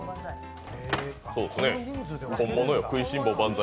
本物よ、「くいしん坊！万才」